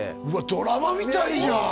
ドラマみたいじゃん！